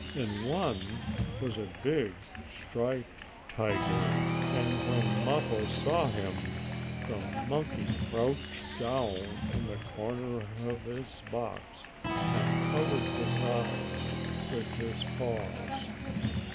In one was a big striped tiger, and when Mappo saw him, the monkey crouched down in a corner of his box and covered his eyes with his paws.